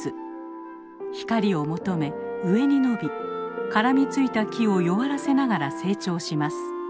光を求め上に伸び絡みついた木を弱らせながら成長します。